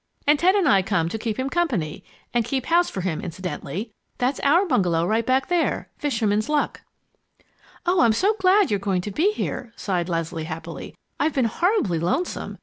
And Ted and I come to keep him company and keep house for him, incidentally. That's our bungalow right back there, 'Fisherman's Luck.'" "Oh, I'm so glad you're going to be here!" sighed Leslie, happily. "I've been horribly lonesome!